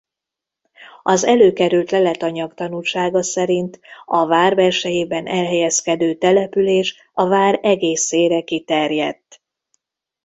Az előkerült leletanyag tanúsága szerint a vár belsejében elhelyezkedő település a vár egészére kiterjedt.